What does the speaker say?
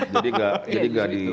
jadi gak jadi gak di